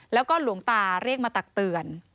แล้วก็หลวงตาเรียกมาตักเตือน